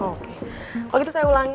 oke kalau gitu saya ulangi